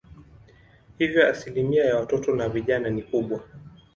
Hivyo asilimia ya watoto na vijana ni kubwa.